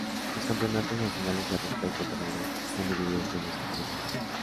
Los Campeonatos nacionales de ruta y contrarreloj están divididos en dos categorías.